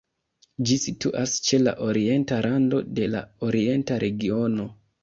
Ĝi situas ĉe la orienta rando de la Orienta Regiono.